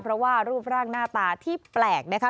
เพราะว่ารูปร่างหน้าตาที่แปลกนะคะ